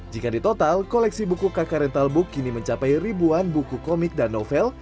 jika di total koleksi buku kakak rental book kini mencapai ribuan buku komik dan novel